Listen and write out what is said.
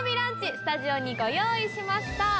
スタジオにご用意しました。